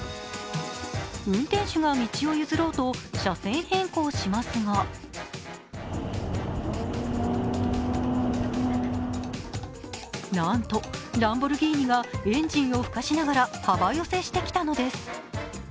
運転手が道を譲ろうと車線変更しますがなんと、ランボルギーニがエンジンを吹かしながら幅寄せしてきたのです。